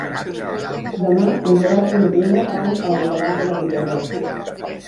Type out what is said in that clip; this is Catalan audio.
Demà en Gerard i na Duna van a Albalat de la Ribera.